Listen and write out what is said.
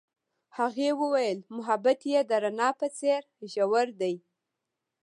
هغې وویل محبت یې د رڼا په څېر ژور دی.